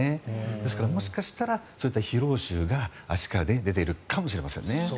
ですからもしかしたら疲労臭が足から出ているかもしれませんね。